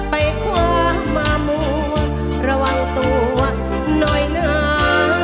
ให้ความอมูลระวังตัวหน่อยน้า